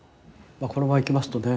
このまま行きますとね